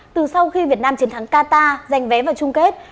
từ sau khi việt nam chiến thắng qatar giành vé vào chung kết